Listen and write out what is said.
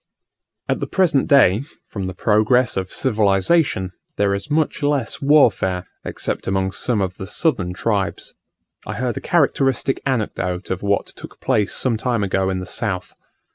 At the present day, from the progress of civilization, there is much less warfare, except among some of the southern tribes. I heard a characteristic anecdote of what took place some time ago in the south.